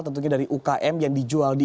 tentunya dari ukm yang dijual di